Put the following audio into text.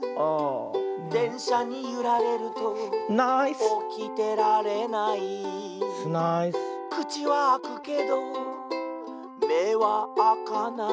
「でんしゃにゆられるとおきてられない」「くちはあくけどめはあかない」